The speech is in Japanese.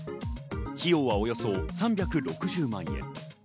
費用はおよそ３６０万円。